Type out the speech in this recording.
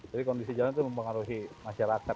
jadi kondisi jalan itu mempengaruhi masyarakat ya